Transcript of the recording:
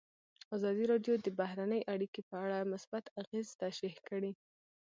ازادي راډیو د بهرنۍ اړیکې په اړه مثبت اغېزې تشریح کړي.